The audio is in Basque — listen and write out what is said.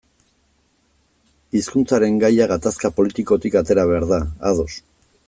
Hizkuntzaren gaia gatazka politikotik atera behar da, ados.